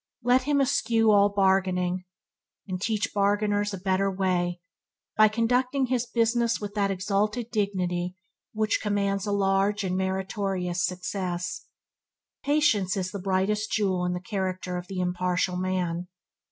Et him eschew all bargaining, and teach bargainers a better way by conducting his business with that exalted dignity which commands a large and meritorious success. Patience is the brightest jewel in the character of the impartial man.